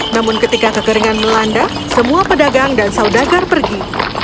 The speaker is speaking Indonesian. namun ketika kekeringan melanda semua pedagang dan saudagar pergi